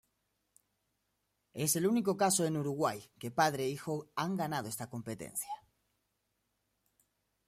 Es el único caso en Uruguay, que padre e hijo han ganado esta competencia.